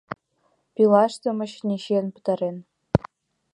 Пилаштым, очыни, чиен пытарен.